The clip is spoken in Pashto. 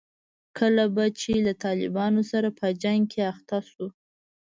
کله به چې له طالبانو سره په جنګ کې اخته شوو.